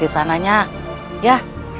di istananya ya